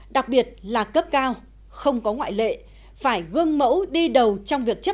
đặc biệt là cấp cao không có ngoại lệ phải gương mẫu đi đầu trong việc trách nhiệm